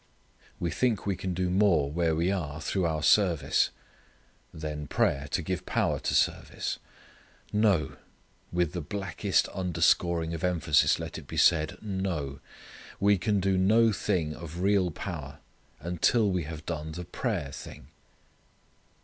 We think we can do more where we are through our service: then prayer to give power to service. No with the blackest underscoring of emphasis, let it be said NO. We can do no thing of real power until we have done the prayer thing.